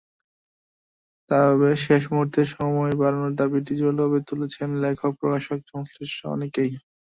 তবে শেষ মুহূর্তে সময় বাড়ানোর দাবিটি জোরালোভাবে তুলেছেন লেখক, প্রকাশকসহ সংশ্লিষ্ট অনেকেই।